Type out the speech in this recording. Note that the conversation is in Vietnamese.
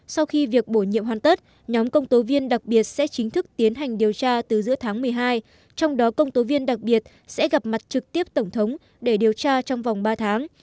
sau khi việc bổ nhiệm hoàn tất nhóm công tố viên đặc biệt sẽ chính thức tiến hành điều tra từ giữa tháng một mươi hai trong đó công tố viên đặc biệt sẽ gặp mặt trực tiếp tổng thống để điều tra trong vòng ba tháng